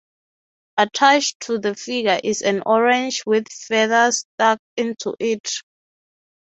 Attached to the figure is an orange with feathers stuck into it.